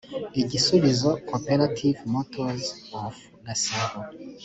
igisubizo cooperative motors of gasabo